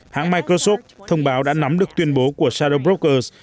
hãng microsoft thông báo đã nắm được tuyên bố của shadow brokers